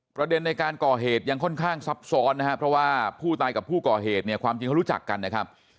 ประเด็นในการก่อเหตุยังค่อนข้างซับซ้อนนะครับเพราะว่าผู้ตายกับผู้ก่อเหตุเนี่ยความจริงเขารู้จักกันนะครับ